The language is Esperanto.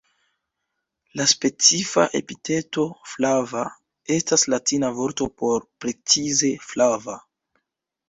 La specifa epiteto "flava" estas latina vorto por precize "flava".